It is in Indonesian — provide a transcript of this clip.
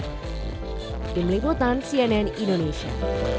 demikian liputan cnn indonesia